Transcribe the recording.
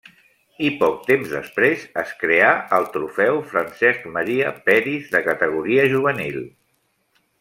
I poc temps després es creà el Trofeu Francesc Maria Peris de categoria juvenil.